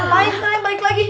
baik baik baik lagi